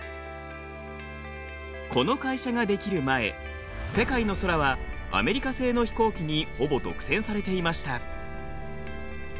この会社が出来る前世界の空はアメリカ製の飛行機にほぼ独占されていました。